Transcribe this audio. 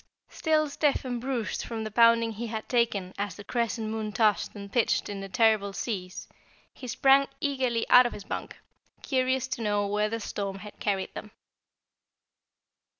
Still stiff and bruised from the pounding he had taken as the Crescent Moon tossed and pitched in the terrible seas, he sprang eagerly out of his bunk, curious to know where the storm had carried them.